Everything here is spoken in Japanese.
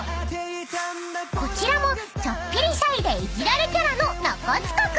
［こちらもちょっぴりシャイでいじられキャラの］